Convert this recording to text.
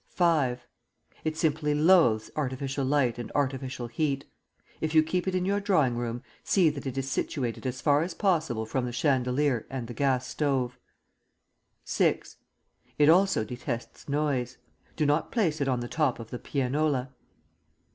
V. It simply loathes artificial light and artificial heat. If you keep it in your drawing room, see that it is situated as far as possible from the chandelier and the gas stove. VI. It also detests noise. Do not place it on the top of the pianola.